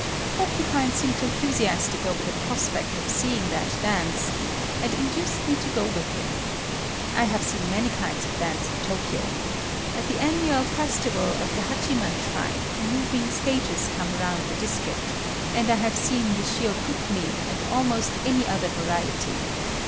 Porcupine seemed enthusiastic over the prospect of seeing that dance, and induced me to go with him. I have seen many kinds of dance in Tokyo. At the annual festival of the Hachiman Shrine, moving stages come around the district, and I have seen the Shiokumi and almost any other variety.